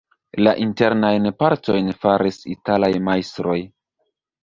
La internajn partojn faris italaj majstroj.